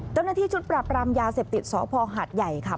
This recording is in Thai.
เจ้าหน้าที่ชุดปรับรามยาเสพติดสพหัดใหญ่ค่ะ